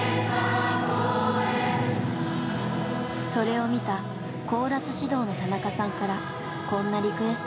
それを見たコーラス指導の田中さんからこんなリクエストが。